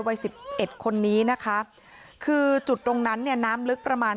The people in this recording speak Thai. วัย๑๑คนนี้นะคะคือจุดตรงนั้นน้ำลึกประมาณ